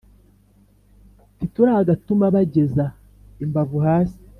Ntituragatuma bageza imbavu hasi;